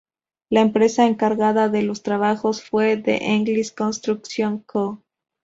La empresa encargada de los trabajos fue The English Construcción Co.